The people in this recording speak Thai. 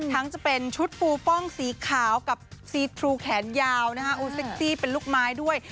ทั้งจะเป็นชุดฟูป้องสีขาวกับซีทรูแขนยาวนะคะเป็นลูกไม้ด้วย